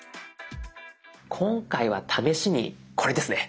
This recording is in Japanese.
今回は試しにこれですね。